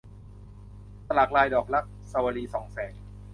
สลักลายดอกรัก - สวลี ส่องแสง